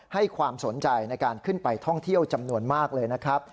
ให้ความสนใจในการขึ้นไปท่องเที่ยวจำนวนมากเลยนะครับ